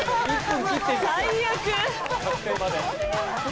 最悪！